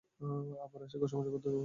আবার এসে ঘষামাজা করতে হবে, বুঝলে?